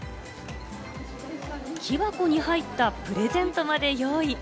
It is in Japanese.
木箱に入ったプレゼントまで用意。